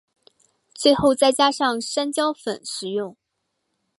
最后再加上山椒粉食用。